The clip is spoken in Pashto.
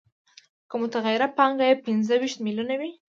که متغیره پانګه یې پنځه ویشت میلیونه وي